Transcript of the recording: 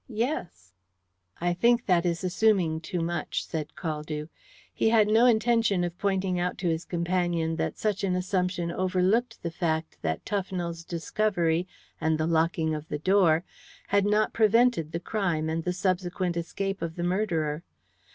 "Yes." "I think that is assuming too much," said Caldew. He had no intention of pointing out to his companion that such an assumption overlooked the fact that Tufnell's discovery, and the locking of the door, had not prevented the crime and the subsequent escape of the murderer.